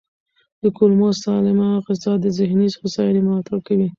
د کولمو سالمه غذا د ذهني هوساینې ملاتړ کوي.